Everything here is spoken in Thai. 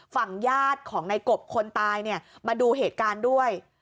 ฝั่งญาติของในกบคนตายเนี่ยมาดูเหตุการณ์ด้วย